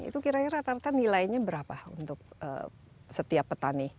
itu kira kira nilainya berapa untuk setiap petani